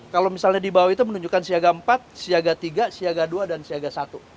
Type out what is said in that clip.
kalau misalnya di bawah itu menunjukkan siaga empat siaga tiga siaga dua dan siaga satu